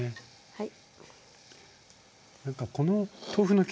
はい。